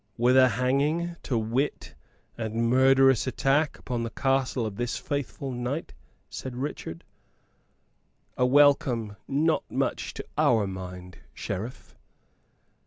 "With a hanging to wit, and murderous attack upon the castle of this faithful knight," said Richard. "A welcome not much to our mind, Sheriff."